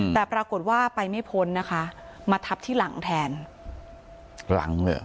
แต่ปรากฏว่าไปไม่พ้นนะคะมาทับที่หลังแทนหลังเลยเหรอ